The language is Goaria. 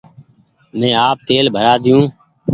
مينٚ آپ تيل ڀرآۮييو